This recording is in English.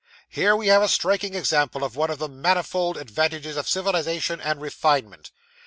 'Here we have a striking example of one of the manifold advantages of civilisation and refinement.